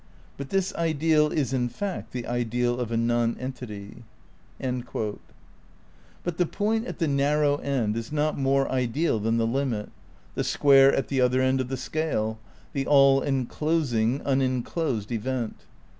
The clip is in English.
But this ideal is in fact the ideal of a non entity." • But the point at the harrow end is not more ideal than the limit, the square at the other end of the scale, the all enclosing, unenclosed event.